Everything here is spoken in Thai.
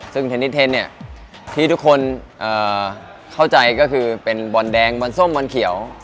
ซึ่งเทนนิเทนเนี่ยที่ทุกคนเข้าใจก็คือเป็นบอลแดงบอลส้มบอลเขียว